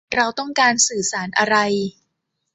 เราต้องการสื่อสารอะไร